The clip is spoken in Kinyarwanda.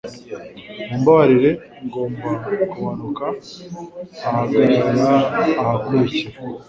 Mumbabarire, ngomba kumanuka ahagarara ahakurikira.